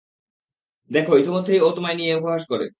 দেখো, ইতোমধ্যেই ও তোমায় নিয়ে উপহাস করে।